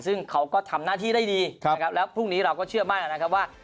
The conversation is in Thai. ซึ่งเขาก็ทำหน้าที่ได้ดีนะครับแล้วพรุ่งนี้เราก็เชื่อมั่นนะครับว่า